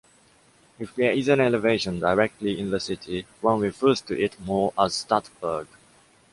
If there is an elevation directly in the city, one refers to it more as Stadtberg.